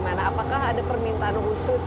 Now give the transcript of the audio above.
apakah ada permintaan khusus